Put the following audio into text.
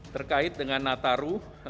terkait dengan nataru